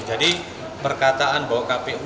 jadi perkataan bahwa kpu